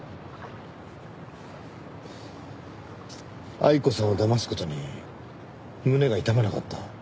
愛子さんをだます事に胸が痛まなかった？